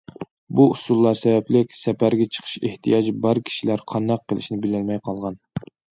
بۇ ئۇسۇللار سەۋەبلىك، سەپەرگە چىقىش ئېھتىياجى بار كىشىلەر قانداق قىلىشنى بىلەلمەي قالغان.